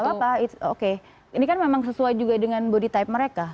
apa oke ini kan memang sesuai juga dengan body type mereka